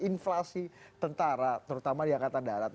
inflasi tentara terutama di angkatan darat